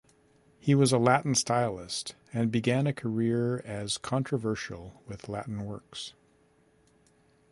He was a Latin stylist, and began a career as controversial with Latin works.